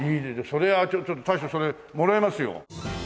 それはちょっと大将それもらいますよ。